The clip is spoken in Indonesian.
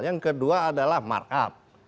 yang kedua adalah mark up